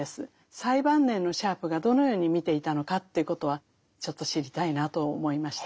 最晩年のシャープがどのように見ていたのかということはちょっと知りたいなと思いました。